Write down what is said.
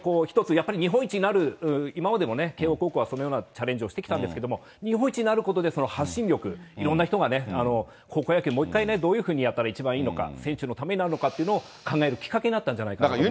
やっぱり日本一になる、今までもね、慶応高校はそのようなチャレンジをしてきたんですけれども、日本一になることで発信力、いろんな人が高校野球、もう一回、どうやったら一番いいのか、選手のためになるのかというのを考えるきっかけになったんじゃないかなと思います。